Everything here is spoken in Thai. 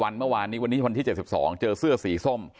เมื่อวานนี้วันนี้วันที่๗๒เจอเสื้อสีส้ม